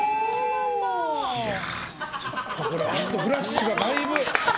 ちょっとこれはフラッシュがだいぶ。